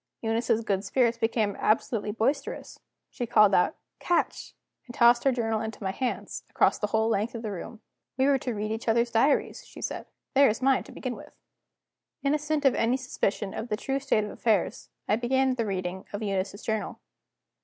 Eunice's good spirits became absolutely boisterous. She called out: "Catch!" and tossed her journal into my hands, across the whole length of the room. "We were to read each other's diaries," she said. "There is mine to begin with." Innocent of any suspicion of the true state of affairs, I began the reading of Eunice's journal.